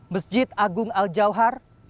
masjid agung al jauhar